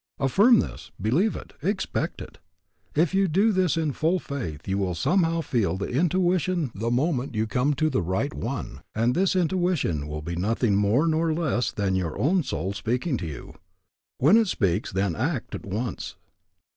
Affirm this, believe it, expect it. If you do this in full faith you will somehow feel the intuition the moment you come to the right one, and this intuition will be nothing more nor less than your own soul speaking to you. When it speaks then act at once.